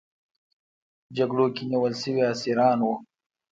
جګړو کې نیول شوي اسیران وو.